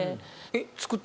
えっ？